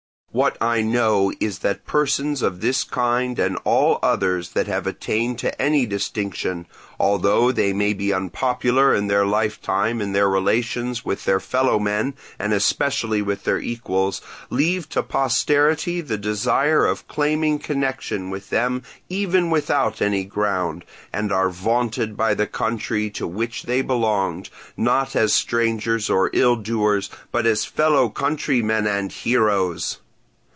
What I know is that persons of this kind and all others that have attained to any distinction, although they may be unpopular in their lifetime in their relations with their fellow men and especially with their equals, leave to posterity the desire of claiming connection with them even without any ground, and are vaunted by the country to which they belonged, not as strangers or ill doers, but as fellow countrymen and heroes.